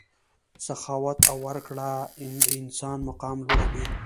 سخاوت او ورکړه د انسان مقام لوړوي.